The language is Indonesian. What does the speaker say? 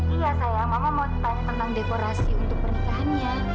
iya saya mama mau tanya tentang dekorasi untuk pernikahannya